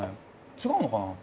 違うのかな？